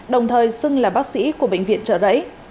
đồng thời xưng là bác sĩ của bệnh viện trợ rẫy